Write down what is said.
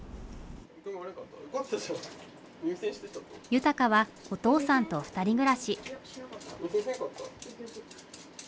悠鷹はお父さんと２人暮らし。